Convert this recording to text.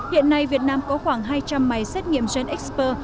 hiện nay việt nam có khoảng hai trăm linh máy xét nghiệm genxper